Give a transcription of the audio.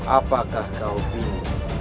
apakah kau bingung